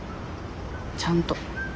ちゃんと。